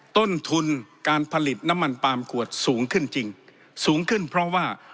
ต้นทุนการผลิตน้ำมันปาล์มขวดสูงขึ้นจริงสูงขึ้นเพราะว่า